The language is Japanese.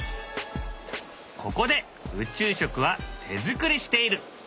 ここで宇宙食は手作りしている。